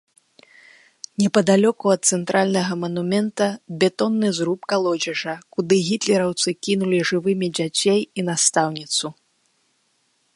Непадалёку ад цэнтральнага манумента бетонны зруб калодзежа, куды гітлераўцы кінулі жывымі дзяцей і настаўніцу.